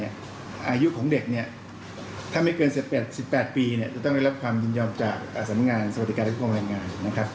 อายุของเด็กเนี่ยถ้าไม่เกิน๑๘ปีจะต้องได้รับความยินยอมจากสำนักงานสวัสดิการคุ้มครองแรงงานนะครับ